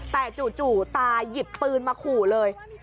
แต่จู่ตายหยิบปืนมาขู่เลย